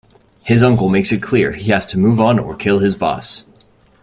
His uncle makes it clear he has to move on or kill his boss.